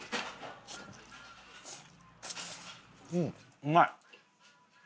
うんうまい！